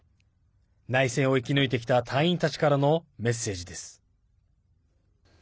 内戦を生き抜いてきた隊員たちからのメッセージです。